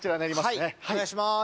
はいお願いします